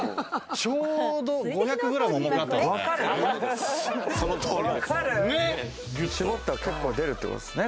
ちょうど５００グラム重くなったんですね。